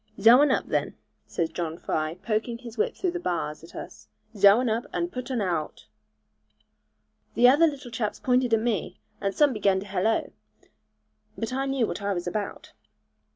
'Zhow un up, then,' says John Fry poking his whip through the bars at us; 'Zhow un up, and putt un aowt.' The other little chaps pointed at me, and some began to hallo; but I knew what I was about.